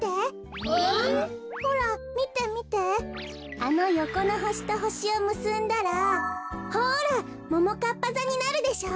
あのよこのほしとほしをむすんだらほらももかっぱざになるでしょう？